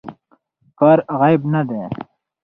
کار عیب نه دی.